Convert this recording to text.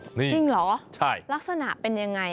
จริงเหรอลักษณะเป็นยังไง